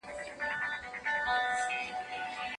هوږه د روغتیا لپاره یو پخوانی کارېدونکی بوټی دی.